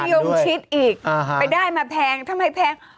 ยงชิดอีกไปได้มาแพงทำไมแพง